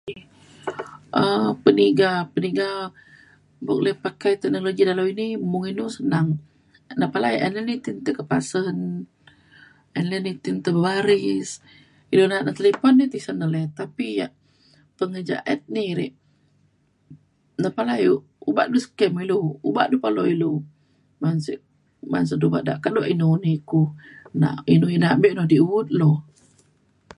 um peniga peniga buk le pakai teknologi dalau ini mung inu senang na palai nta nyitin tai ka pasen an le nyitin tai baris ilu na'at ne talipun ne tesen oley, tapi ya' pengejaat ni rek' nepalai le ubak du scam ilu ubak du palo ilu man sik man sik du badak kaduk inu inu ni ku nak inu na bek inu di'ut lo.